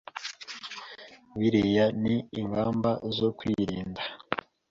biriya ni ingamba zo kwirinda